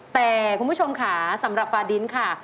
แต่คุณผู้ชมค่ะสำหรับฟาดินค่ะ